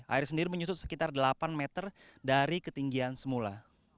air sendiri menyusut sekitar delapan meter dari ketinggian semula